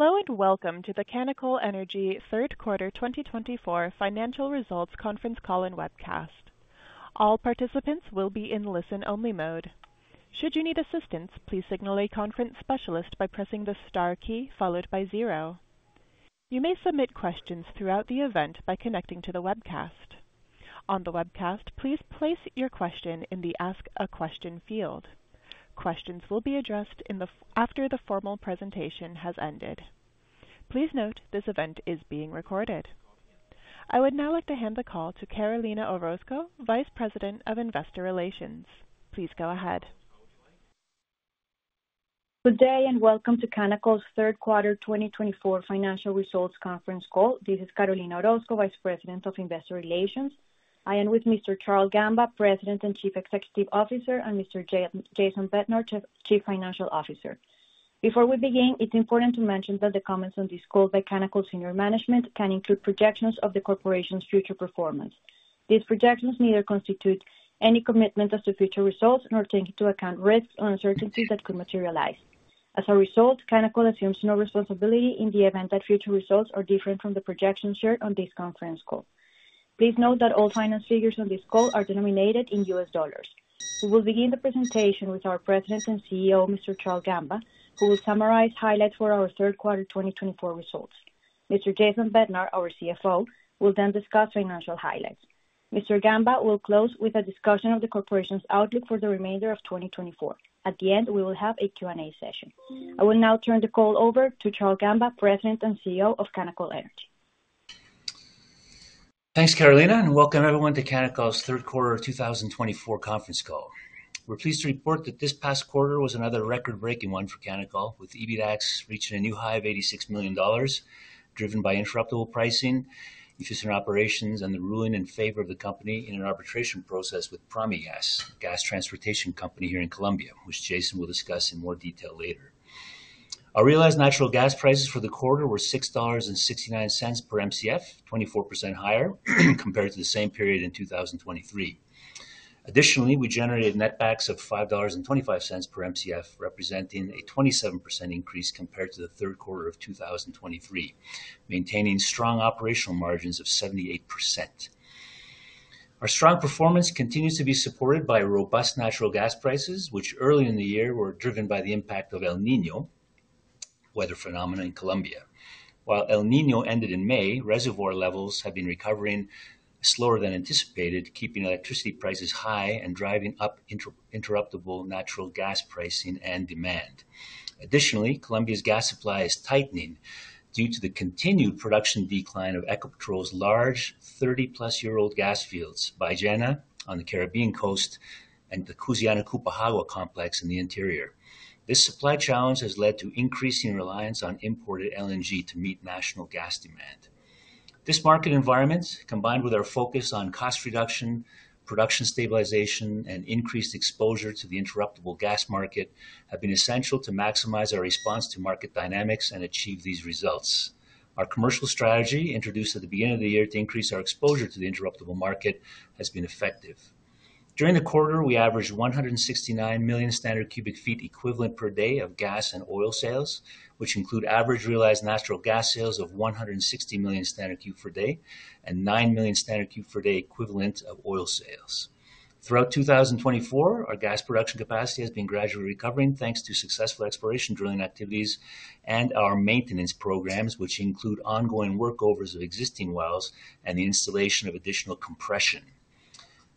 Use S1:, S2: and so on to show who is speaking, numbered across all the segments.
S1: Hello and welcome to the Canacol Energy Third Quarter 2024 Financial Results Conference call and webcast. All participants will be in listen-only mode. Should you need assistance, please signal a conference specialist by pressing the star key followed by zero. You may submit questions throughout the event by connecting to the webcast. On the webcast, please place your question in the Ask a Question field. Questions will be addressed after the formal presentation has ended. Please note this event is being recorded. I would now like to hand the call to Carolina Orozco, Vice President of Investor Relations. Please go ahead.
S2: Good day and welcome to Canacol's Third Quarter 2024 Financial Results Conference call. This is Carolina Orozco, Vice President of Investor Relations. I am with Mr. Charle Gamba, President and Chief Executive Officer, and Mr. Jason Bednar, Chief Financial Officer. Before we begin, it's important to mention that the comments on this call by Canacol Senior Management can include projections of the corporation's future performance. These projections neither constitute any commitment as to future results nor take into account risks or uncertainties that could materialize. As a result, Canacol assumes no responsibility in the event that future results are different from the projections shared on this conference call. Please note that all financial figures on this call are denominated in US dollars. We will begin the presentation with our President and CEO, Mr. Charle Gamba, who will summarize highlights for our Third Quarter 2024 results. Mr. Jason Bednar, our CFO, will then discuss financial highlights. Mr. Gamba will close with a discussion of the corporation's outlook for the remainder of 2024. At the end, we will have a Q&A session. I will now turn the call over to Charle Gamba, President and CEO of Canacol Energy.
S3: Thanks, Carolina, and welcome everyone to Canacol's Third Quarter 2024 Conference call. We're pleased to report that this past quarter was another record-breaking one for Canacol, with EBITDAX reaching a new high of $86 million, driven by interruptible pricing, efficient operations, and the ruling in favor of the company in an arbitration process with Promigas, a gas transportation company here in Colombia, which Jason will discuss in more detail later. Our realized natural gas prices for the quarter were $6.69 per MCF, 24% higher compared to the same period in 2023. Additionally, we generated netbacks of $5.25 per MCF, representing a 27% increase compared to the third quarter of 2023, maintaining strong operational margins of 78%. Our strong performance continues to be supported by robust natural gas prices, which early in the year were driven by the impact of El Niño weather phenomena in Colombia. While El Niño ended in May, reservoir levels have been recovering slower than anticipated, keeping electricity prices high and driving up interruptible natural gas pricing and demand. Additionally, Colombia's gas supply is tightening due to the continued production decline of Ecopetrol's large 30-plus-year-old gas fields Ballena on the Caribbean coast and the Cusiana-Cupiagua complex in the interior. This supply challenge has led to increasing reliance on imported LNG to meet national gas demand. This market environment, combined with our focus on cost reduction, production stabilization, and increased exposure to the interruptible gas market, have been essential to maximize our response to market dynamics and achieve these results. Our commercial strategy, introduced at the beginning of the year to increase our exposure to the interruptible market, has been effective. During the quarter, we averaged 169 million standard cubic feet equivalent per day of gas and oil sales, which include average realized natural gas sales of 160 million standard cubic feet per day and 9 million standard cubic feet per day equivalent of oil sales. Throughout 2024, our gas production capacity has been gradually recovering thanks to successful exploration drilling activities and our maintenance programs, which include ongoing workovers of existing wells and the installation of additional compression.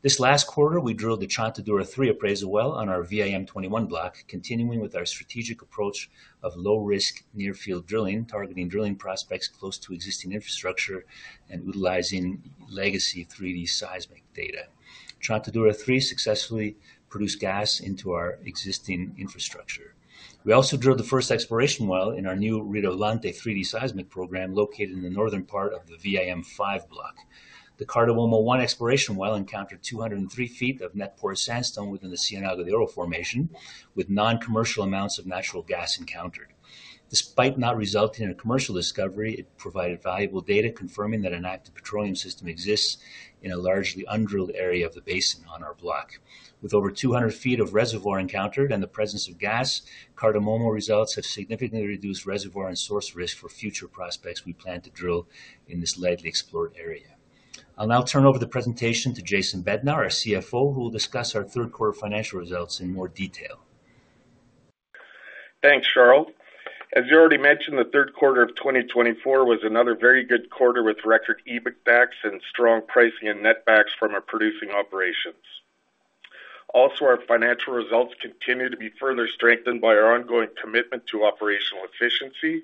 S3: This last quarter, we drilled the Chontaduro-3 appraisal well on our VIM-21 block, continuing with our strategic approach of low-risk near-field drilling, targeting drilling prospects close to existing infrastructure and utilizing legacy 3D seismic data. Chontaduro-3 successfully produced gas into our existing infrastructure. We also drilled the first exploration well in our new Redoblante 3D seismic program, located in the northern part of the VIM-5 block. The Cardamomo-1 exploration well encountered 203 feet of net porous sandstone within the Ciénaga de Oro formation, with non-commercial amounts of natural gas encountered. Despite not resulting in a commercial discovery, it provided valuable data confirming that an active petroleum system exists in a largely undrilled area of the basin on our block. With over 200 feet of reservoir encountered and the presence of gas, Cardamomo results have significantly reduced reservoir and source risk for future prospects we plan to drill in this lightly explored area. I'll now turn over the presentation to Jason Bednar, our CFO, who will discuss our third quarter financial results in more detail.
S4: Thanks, Charle. As you already mentioned, the third quarter of 2024 was another very good quarter with record EBITDAX and strong pricing and netbacks from our producing operations. Also, our financial results continue to be further strengthened by our ongoing commitment to operational efficiency,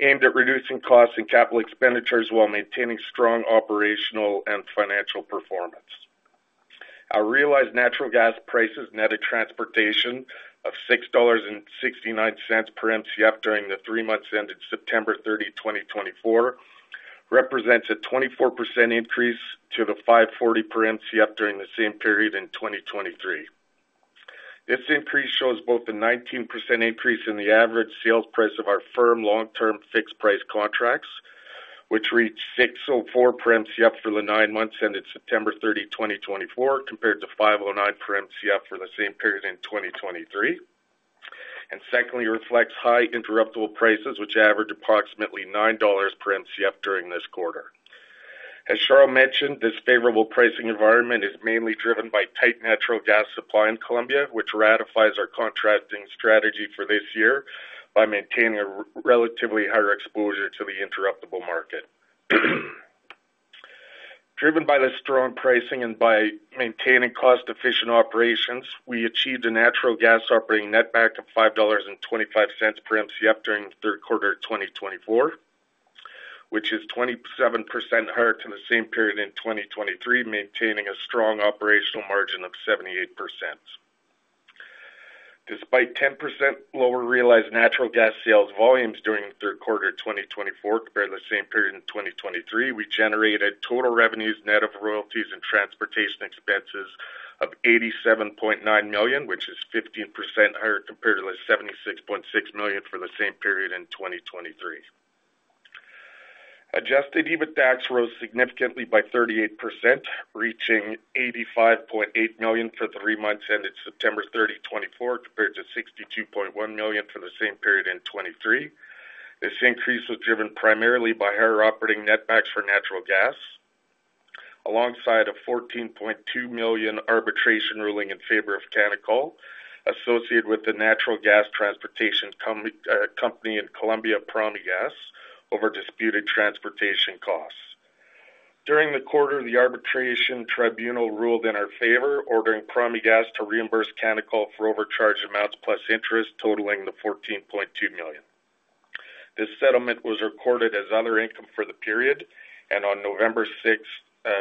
S4: aimed at reducing costs and capital expenditures while maintaining strong operational and financial performance. Our realized natural gas prices net of transportation of $6.69 per MCF during the three months ended September 30, 2024, represents a 24% increase from the $5.40 per MCF during the same period in 2023. This increase shows both a 19% increase in the average sales price of our firm long-term fixed-price contracts, which reached $6.04 per MCF for the nine months ended September 30, 2024, compared to $5.09 per MCF for the same period in 2023, and secondly reflects high interruptible prices, which averaged approximately $9 per MCF during this quarter. As Charle mentioned, this favorable pricing environment is mainly driven by tight natural gas supply in Colombia, which ratifies our contracting strategy for this year by maintaining a relatively higher exposure to the interruptible market. Driven by the strong pricing and by maintaining cost-efficient operations, we achieved a natural gas operating netback of $5.25 per MCF during the third quarter of 2024, which is 27% higher than the same period in 2023, maintaining a strong operational margin of 78%. Despite 10% lower realized natural gas sales volumes during the third quarter of 2024 compared to the same period in 2023, we generated total revenues net of royalties and transportation expenses of $87.9 million, which is 15% higher compared to the $76.6 million for the same period in 2023. Adjusted EBITDAX rose significantly by 38%, reaching $85.8 million for the three months ended September 30, 2024, compared to $62.1 million for the same period in 2023. This increase was driven primarily by higher operating netbacks for natural gas, alongside a $14.2 million arbitration ruling in favor of Canacol, associated with the natural gas transportation company in Colombia, Promigas, over disputed transportation costs. During the quarter, the arbitration tribunal ruled in our favor, ordering Promigas to reimburse Canacol for overcharged amounts plus interest, totaling the $14.2 million. This settlement was recorded as other income for the period, and on November 6,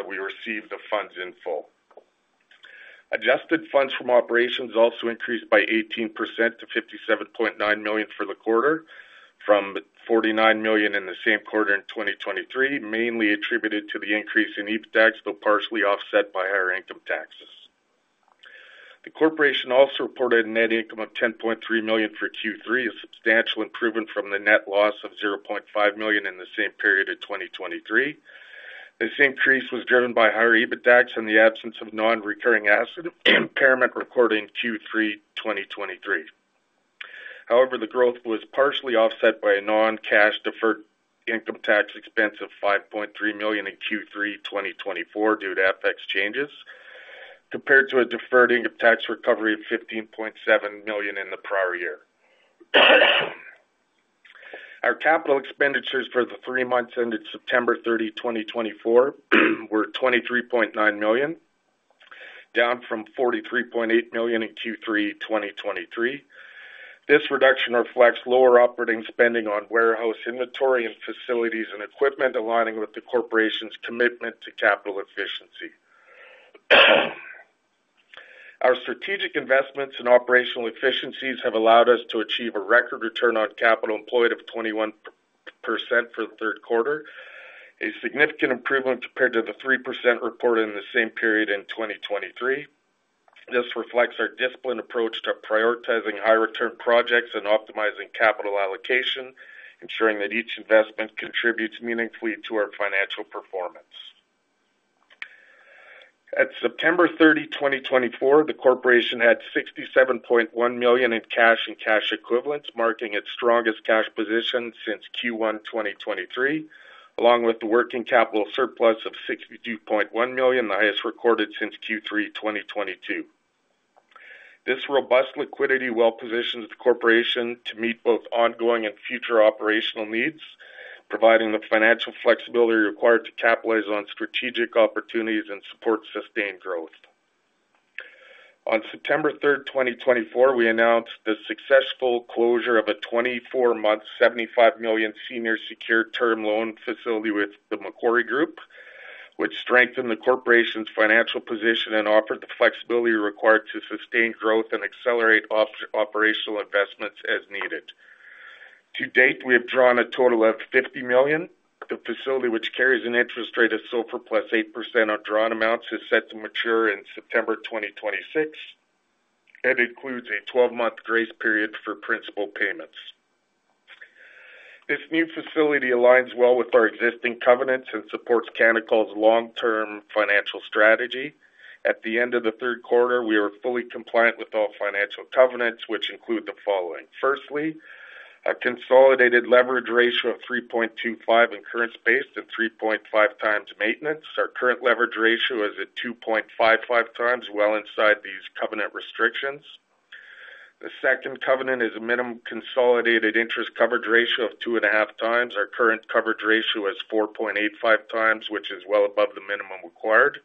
S4: we received the funds in full. Adjusted funds from operations also increased by 18% to $57.9 million for the quarter, from $49 million in the same quarter in 2023, mainly attributed to the increase in EBITDAX, though partially offset by higher income taxes. The corporation also reported a net income of $10.3 million for Q3, a substantial improvement from the net loss of $0.5 million in the same period in 2023. This increase was driven by higher EBITDAX and the absence of non-recurring asset impairment recorded in Q3 2023. However, the growth was partially offset by a non-cash deferred income tax expense of $5.3 million in Q3 2024 due to FX changes, compared to a deferred income tax recovery of $15.7 million in the prior year. Our capital expenditures for the three months ended September 30, 2024, were $23.9 million, down from $43.8 million in Q3 2023. This reduction reflects lower operating spending on warehouse inventory and facilities and equipment, aligning with the corporation's commitment to capital efficiency. Our strategic investments and operational efficiencies have allowed us to achieve a record return on capital employed of 21% for the third quarter, a significant improvement compared to the 3% reported in the same period in 2023. This reflects our disciplined approach to prioritizing high-return projects and optimizing capital allocation, ensuring that each investment contributes meaningfully to our financial performance. At September 30, 2024, the corporation had $67.1 million in cash and cash equivalents, marking its strongest cash position since Q1 2023, along with a working capital surplus of $62.1 million, the highest recorded since Q3 2022. This robust liquidity well positions the corporation to meet both ongoing and future operational needs, providing the financial flexibility required to capitalize on strategic opportunities and support sustained growth. On September 3, 2024, we announced the successful closure of a 24-month $75 million senior secured term loan facility with the Macquarie Group, which strengthened the corporation's financial position and offered the flexibility required to sustain growth and accelerate operational investments as needed. To date, we have drawn a total of $50 million. The facility, which carries an interest rate of SOFR plus 8% on drawn amounts, is set to mature in September 2026. It includes a 12-month grace period for principal payments. This new facility aligns well with our existing covenants and supports Canacol's long-term financial strategy. At the end of the third quarter, we are fully compliant with all financial covenants, which include the following. Firstly, a consolidated leverage ratio of 3.25 incurrence-based and 3.5x maintenance. Our current leverage ratio is at 2.55x, well inside these covenant restrictions. The second covenant is a minimum consolidated interest coverage ratio of 2.5x. Our current coverage ratio is 4.85x, which is well above the minimum required.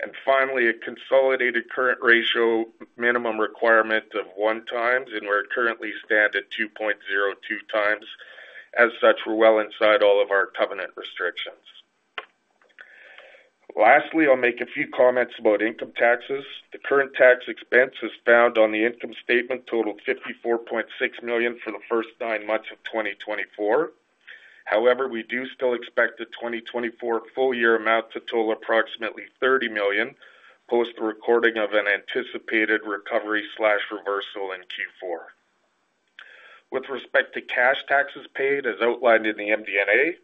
S4: And finally, a consolidated current ratio minimum requirement of 1x, and we currently stand at 2.02x. As such, we're well inside all of our covenant restrictions. Lastly, I'll make a few comments about income taxes. The current tax expense is found on the income statement, totaled $54.6 million for the first nine months of 2024. However, we do still expect the 2024 full year amount to total approximately $30 million, post the recording of an anticipated recovery/reversal in Q4. With respect to cash taxes paid, as outlined in the MD&A,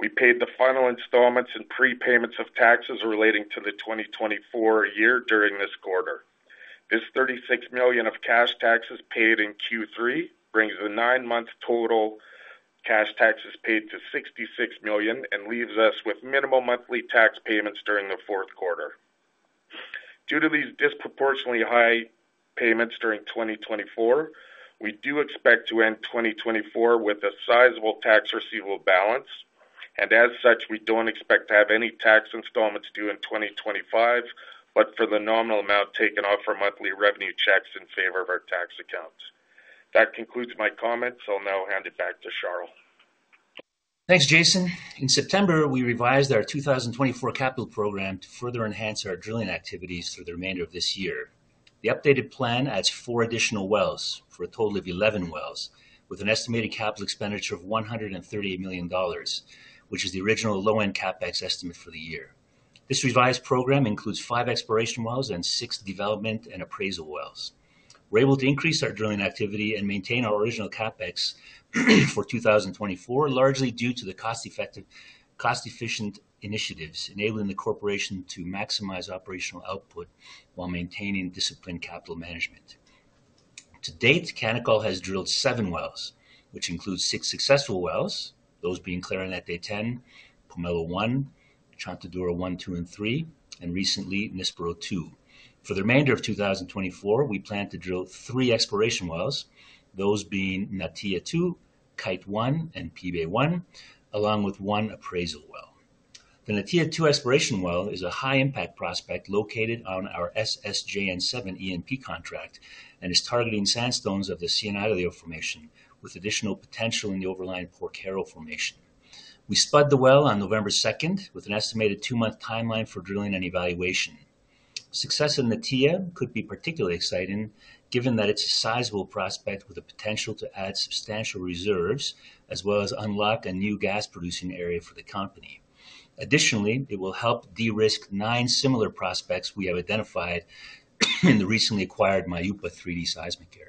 S4: we paid the final installments and prepayments of taxes relating to the 2024 year during this quarter. This $36 million of cash taxes paid in Q3 brings the nine-month total cash taxes paid to $66 million and leaves us with minimal monthly tax payments during the fourth quarter. Due to these disproportionately high payments during 2024, we do expect to end 2024 with a sizable tax receivable balance, and as such, we don't expect to have any tax installments due in 2025, but for the nominal amount taken off our monthly revenue checks in favor of our tax accounts. That concludes my comments. I'll now hand it back to Charle.
S3: Thanks, Jason. In September, we revised our 2024 capital program to further enhance our drilling activities through the remainder of this year. The updated plan adds four additional wells for a total of 11 wells, with an estimated capital expenditure of $138 million, which is the original low-end CapEx estimate for the year. This revised program includes five exploration wells and six development and appraisal wells. We're able to increase our drilling activity and maintain our original CapEx for 2024, largely due to the cost-efficient initiatives, enabling the corporation to maximize operational output while maintaining disciplined capital management. To date, Canacol has drilled seven wells, which includes six successful wells, those being Clarinete-10, Pomelo-1, Chontaduro-1, 2, and 3, and recently Nispero-2. For the remainder of 2024, we plan to drill three exploration wells, those being Natilla-2, Kite-1, and Pibe-1, along with one appraisal well. The Natilla-2 exploration well is a high-impact prospect located on our SSJN-7 E&P contract and is targeting sandstones of the Ciénaga de Oro formation, with additional potential in the overlying Porquero formation. We spud the well on November 2nd, with an estimated two-month timeline for drilling and evaluation. Success in Natilla could be particularly exciting, given that it's a sizable prospect with the potential to add substantial reserves as well as unlock a new gas-producing area for the company. Additionally, it will help de-risk nine similar prospects we have identified in the recently acquired Mayupa 3D seismic area.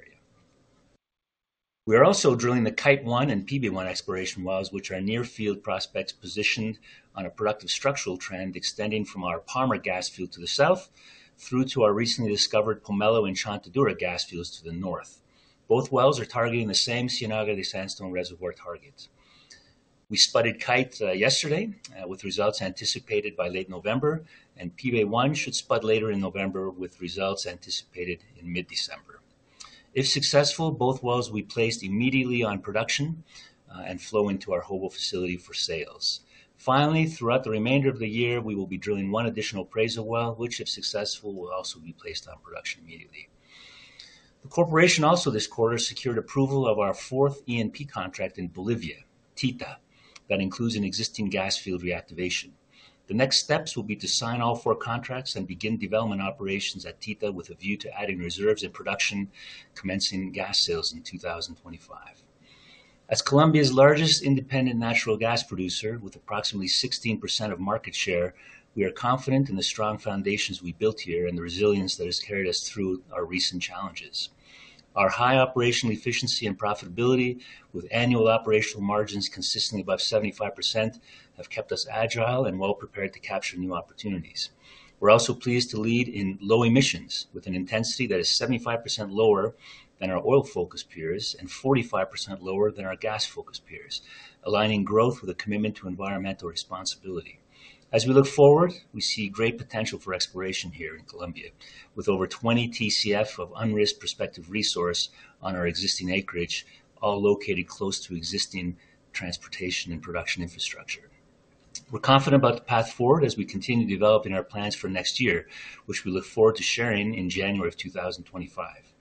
S3: We are also drilling the Kite-1 and Pibe-1 exploration wells, which are near field prospects positioned on a productive structural trend extending from our Palmer gas field to the south through to our recently discovered Pomelo and Chontaduro gas fields to the north. Both wells are targeting the same Ciénaga de Oro sandstone reservoir targets. We spudded Kite yesterday, with results anticipated by late November, and Pibe-1 should spud later in November, with results anticipated in mid-December. If successful, both wells will be placed immediately on production and flow into our Hobo facility for sales. Finally, throughout the remainder of the year, we will be drilling one additional appraisal well, which, if successful, will also be placed on production immediately. The corporation also this quarter secured approval of our fourth E&P contract in Bolivia, Tita, that includes an existing gas field reactivation. The next steps will be to sign all four contracts and begin development operations at Tita with a view to adding reserves at production, commencing gas sales in 2025. As Colombia's largest independent natural gas producer, with approximately 16% of market share, we are confident in the strong foundations we built here and the resilience that has carried us through our recent challenges. Our high operational efficiency and profitability, with annual operational margins consistently above 75%, have kept us agile and well prepared to capture new opportunities. We're also pleased to lead in low emissions with an intensity that is 75% lower than our oil-focused peers and 45% lower than our gas-focused peers, aligning growth with a commitment to environmental responsibility. As we look forward, we see great potential for exploration here in Colombia, with over 20 TCF of unrisked prospective resource on our existing acreage, all located close to existing transportation and production infrastructure. We're confident about the path forward as we continue developing our plans for next year, which we look forward to sharing in January of 2025.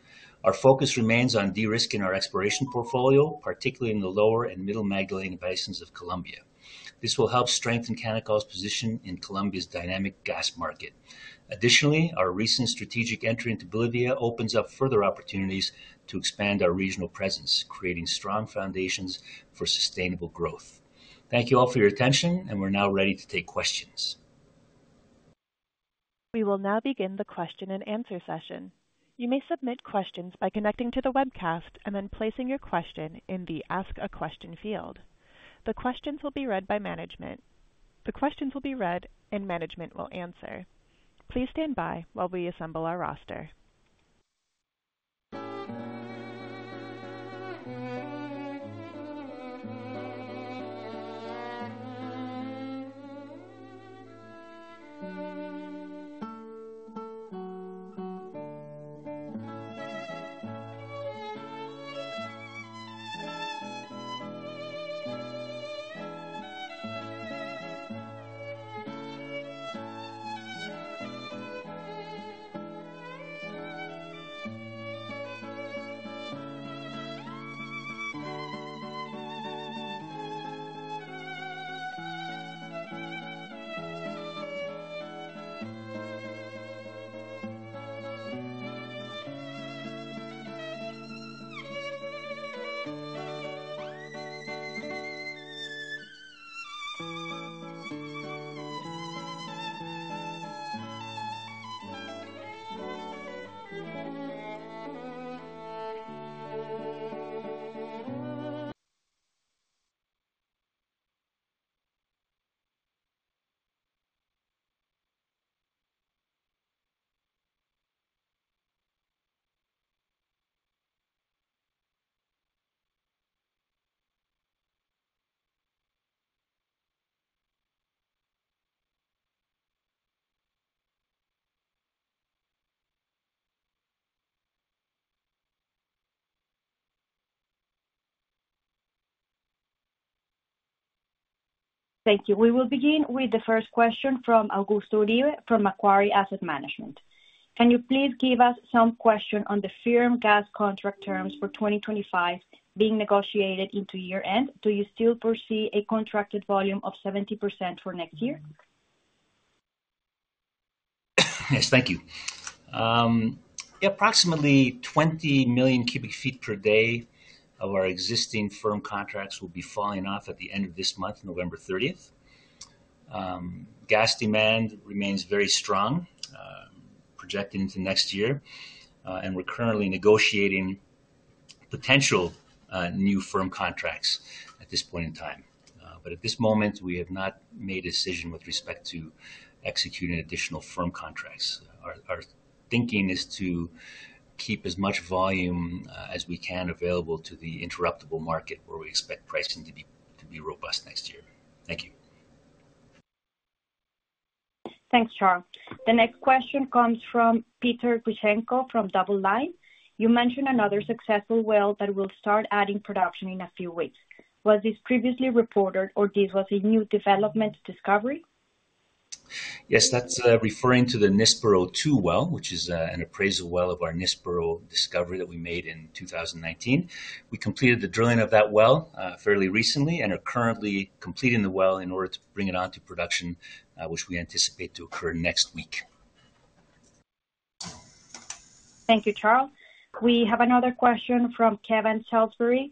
S3: Our focus remains on de-risking our exploration portfolio, particularly in the lower and middle Magdalena basins of Colombia. This will help strengthen Canacol's position in Colombia's dynamic gas market. Additionally, our recent strategic entry into Bolivia opens up further opportunities to expand our regional presence, creating strong foundations for sustainable growth. Thank you all for your attention, and we're now ready to take questions.
S1: We will now begin the question and answer session. You may submit questions by connecting to the webcast and then placing your question in the Ask a Question field. The questions will be read by management. The questions will be read, and management will answer. Please stand by while we assemble our roster.
S2: Thank you. We will begin with the first question from Augusto Uribe from Macquarie Asset Management. Can you please give us some questions on the firm gas contract terms for 2025 being negotiated into year-end? Do you still foresee a contracted volume of 70% for next year?
S3: Yes, thank you. Approximately 20 million cu. ft per day of our existing firm contracts will be falling off at the end of this month, November 30th. Gas demand remains very strong, projected into next year, and we're currently negotiating potential new firm contracts at this point in time. But at this moment, we have not made a decision with respect to executing additional firm contracts. Our thinking is to keep as much volume as we can available to the interruptible market, where we expect pricing to be robust next year. Thank you.
S2: Thanks, Charle. The next question comes from Petr Grishchenko from DoubleLine. You mentioned another successful well that will start adding production in a few weeks. Was this previously reported, or this was a new development discovery?
S3: Yes, that's referring to the Nispero-2 well, which is an appraisal well of our Nispero discovery that we made in 2019. We completed the drilling of that well fairly recently and are currently completing the well in order to bring it onto production, which we anticipate to occur next week.
S2: Thank you, Charle. We have another question from Kevan Salisbury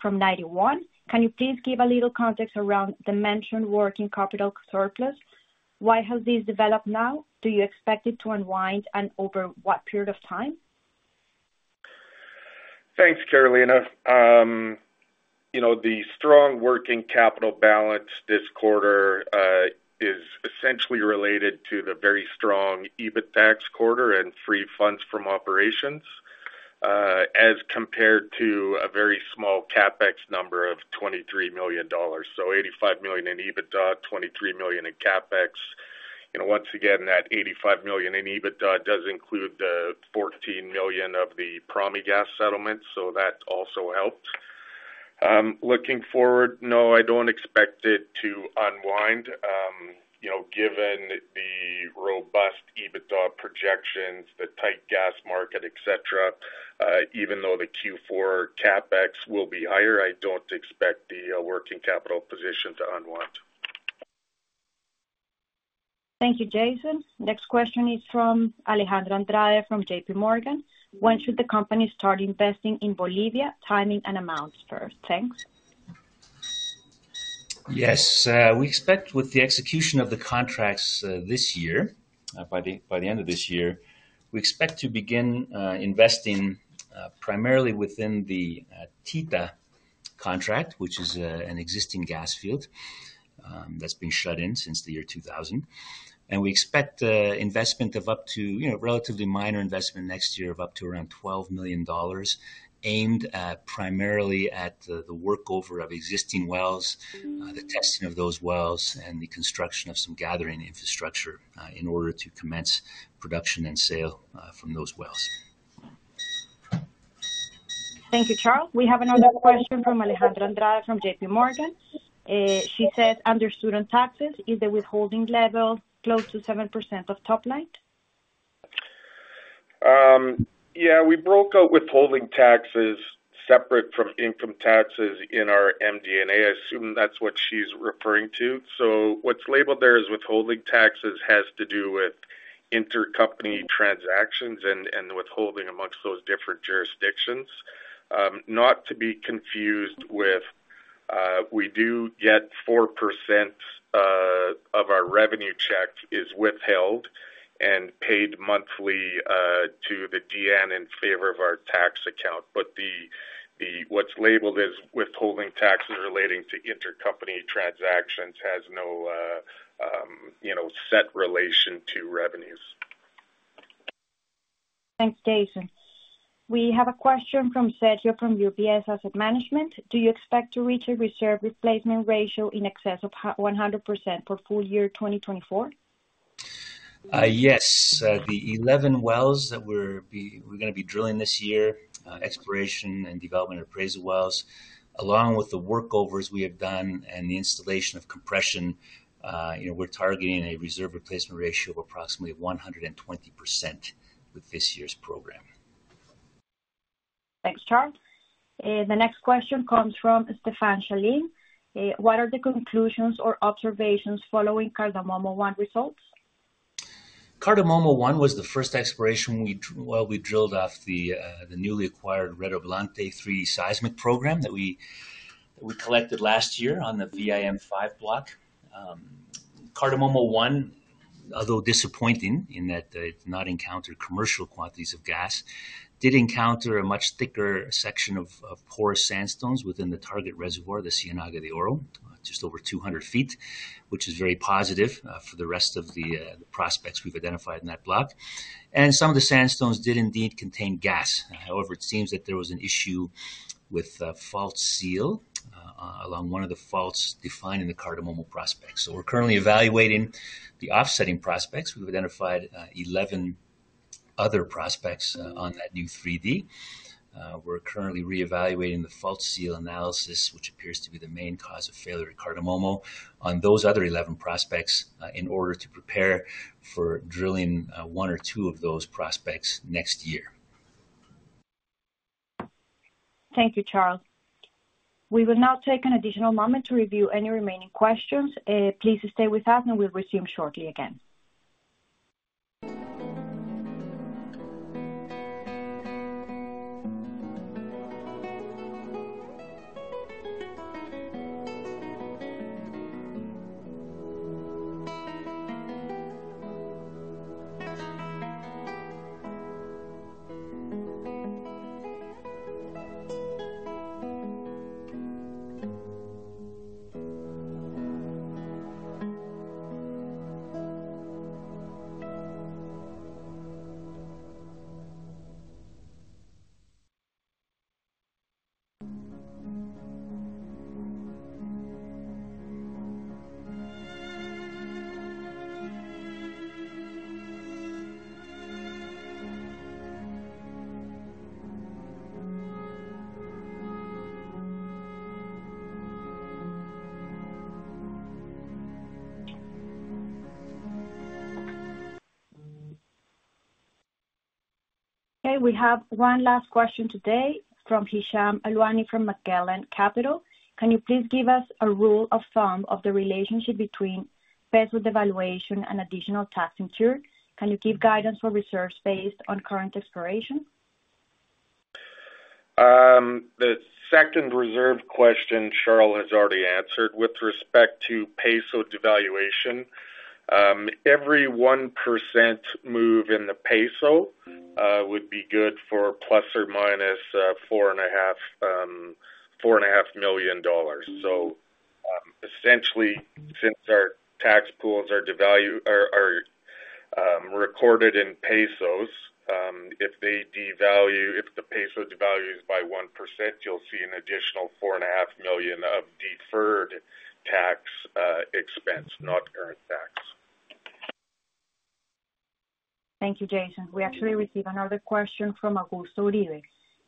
S2: from Ninety One. Can you please give a little context around the mentioned working capital surplus? Why has this developed now? Do you expect it to unwind and over what period of time?
S4: Thanks, Carolina. The strong working capital balance this quarter is essentially related to the very strong EBITDAX quarter and free funds from operations, as compared to a very small CapEx number of $23 million. So, $85 million in EBITDA, $23 million in CapEx. Once again, that $85 million in EBITDA does include the $14 million of the Promigas settlement, so that also helped. Looking forward, no, I don't expect it to unwind. Given the robust EBITDA projections, the tight gas market, etc., even though the Q4 CapEx will be higher, I don't expect the working capital position to unwind.
S2: Thank you, Jason. Next question is from Alejandro Andrade from J.P. Morgan. When should the company start investing in Bolivia? Timing and amounts first. Thanks.
S3: Yes. We expect, with the execution of the contracts this year, by the end of this year, we expect to begin investing primarily within the Tita contract, which is an existing gas field that's been shut in since the year 2000, and we expect investment of up to, relatively minor investment next year of up to around $12 million, aimed primarily at the workover of existing wells, the testing of those wells, and the construction of some gathering infrastructure in order to commence production and sale from those wells.
S2: Thank you, Charle. We have another question from Alejandra Andrade from JPMorgan. He says, under current taxes, is the withholding level close to 7% of top line?
S4: Yeah, we broke out withholding taxes separate from income taxes in our MD&A. I assume that's what she's referring to. So, what's labeled there as withholding taxes has to do with intercompany transactions and withholding among those different jurisdictions. Not to be confused with, we do get 4% of our revenue check is withheld and paid monthly to the DIAN in favor of our tax account. But what's labeled as withholding taxes relating to intercompany transactions has no set relation to revenues.
S2: Thanks, Jason. We have a question from Sergio from UBS Asset Management. Do you expect to reach a reserve replacement ratio in excess of 100% for full year 2024?
S3: Yes. The 11 wells that we're going to be drilling this year, exploration and development appraisal wells, along with the workovers we have done and the installation of compression, we're targeting a reserve replacement ratio of approximately 120% with this year's program.
S2: Thanks, Charle. The next question comes from [Stefan Chalin]. What are the conclusions or observations following Cardamomo-1 results?
S3: Cardamomo-1 was the first exploration well we drilled off the newly acquired Redoblante 3D seismic program that we collected last year on the VIM-5 block. Cardamomo-1, although disappointing in that it did not encounter commercial quantities of gas, did encounter a much thicker section of porous sandstones within the target reservoir, the Ciénaga de Oro, just over 200 feet, which is very positive for the rest of the prospects we've identified in that block, and some of the sandstones did indeed contain gas. However, it seems that there was an issue with a fault seal along one of the faults defined in the Cardamomo prospects, so we're currently evaluating the offsetting prospects. We've identified 11 other prospects on that new 3D. We're currently reevaluating the fault seal analysis, which appears to be the main cause of failure at Cardamomo on those other 11 prospects, in order to prepare for drilling one or two of those prospects next year.
S2: Thank you, Charle. We will now take an additional moment to review any remaining questions. Please stay with us, and we'll resume shortly again. Okay, we have one last question today from Hisham Alwani from Magellan Capital. Can you please give us a rule of thumb of the relationship between reservoir evaluation and additional taxing tier? Can you give guidance for reserves based on current exploration?
S4: The second reserve question, Charle has already answered with respect to peso devaluation. Every 1% move in the peso would be good for plus or minus $4.5 million dollars. So, essentially, since our tax pools are recorded in pesos, if the peso devalues by 1%, you'll see an additional $4.5 million of deferred tax expense, not current tax.
S2: Thank you, Jason. We actually received another question from Augusto Uribe.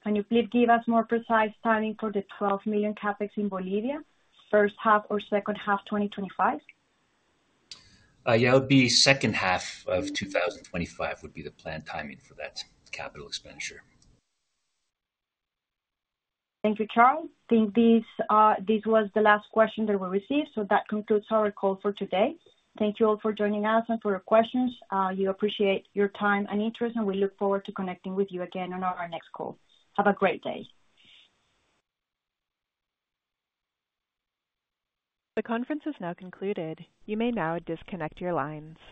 S2: Can you please give us more precise timing for the $12 million CapEx in Bolivia, first half or second half 2025?
S3: Yeah, it would be second half of 2025, the planned timing for that capital expenditure.
S2: Thank you, Charle. I think this was the last question that we received, so that concludes our call for today. Thank you all for joining us and for your questions. We appreciate your time and interest, and we look forward to connecting with you again on our next call. Have a great day.
S1: The conference has now concluded. You may now disconnect your lines.